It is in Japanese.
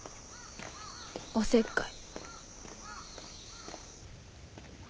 おせっかい。